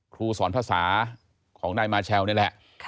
ครูสอนภาษาของนายมาเชลนี่แหละ